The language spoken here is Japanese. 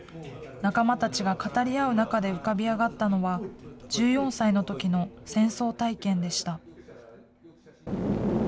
仲間たちが語り合う中で浮かび上がったのは、１４歳のときの戦争体験でした。